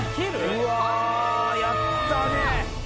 うわーやったね